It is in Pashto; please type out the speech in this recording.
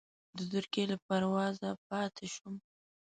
د ترکیې له پروازه پاتې شوم.